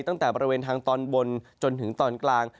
ตั้งแต่บริเวณทางตอนบนจนถึงตอนกลาง